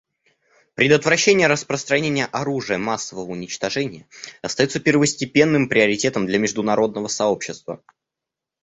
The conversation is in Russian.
Предотвращение распространения оружия массового уничтожения остается первостепенным приоритетом для международного сообщества.